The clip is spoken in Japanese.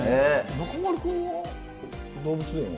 中丸君は動物園は？